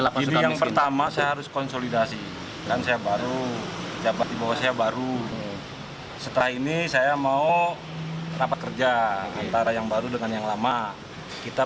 kalau hari ini kemarin dibantu bersih ya bersih tapi kan saya harus masuk ke dalam masuk ke kamar masing masing